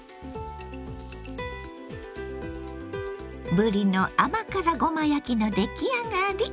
ぶりの甘辛ごま焼きの出来上がり！